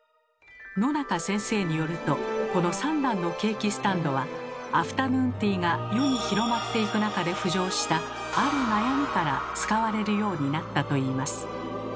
野中先生によるとこの三段のケーキスタンドはアフタヌーンティーが世に広まっていく中で浮上した「ある悩み」から使われるようになったといいます。